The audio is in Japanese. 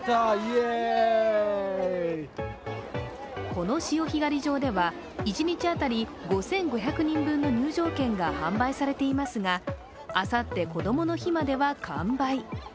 この潮干狩り場では一日当たり５５００人分の入場券が販売されていますがあさって、こどもの日までは完売。